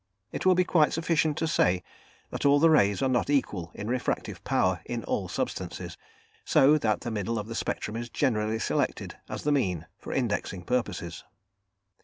It will be quite sufficient to say that all the rays are not equal in refractive power in all substances, so that the middle of the spectrum is generally selected as the mean for indexing purposes.